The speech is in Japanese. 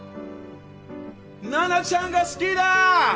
ナナちゃんが好きだ！